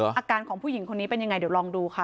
อาการของผู้หญิงคนนี้เป็นยังไงเดี๋ยวลองดูค่ะ